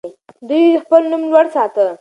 دوی خپل نوم لوړ ساته.